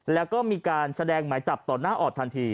แล้วก็มีการแสดงหมายจับต่อหน้าออดทันที